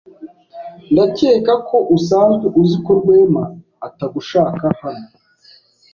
Ndakeka ko usanzwe uzi ko Rwema atagushaka hano.